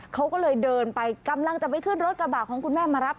เขาก็เลยเดินไปกำลังจะไปขึ้นรถกระบะของคุณแม่มารับ